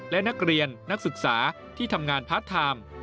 และนักเรียนนักศึกษาที่ทำงานพาร์ทไทม์